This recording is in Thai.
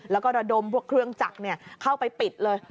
แล้วก็ระดมพวกเครื่องจักรเข้าไปปิดเลย